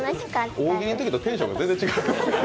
大喜利の時とテンションが全然、違う。